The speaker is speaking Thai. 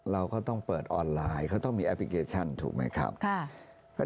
เราก็ต้องเปิดออนไลน์เขาต้องมีแอปพลิเคชันถูกไหมครับ